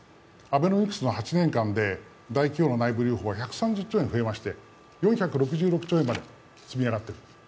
アベノミクスの８年間で大企業の内部留保が増えまして４６６兆円まで罪上がっている。